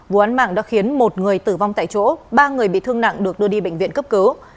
vụ án mạng đã khiến một người tử vong tại chỗ ba người bị thương nặng được đưa đi bệnh viện cấp cứu